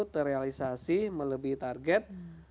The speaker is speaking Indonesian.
terrealisasi melebihi target